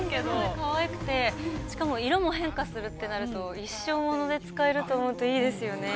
◆かわいくて、しかも色も変化するってなると、一生物で使えると思うといいですよね。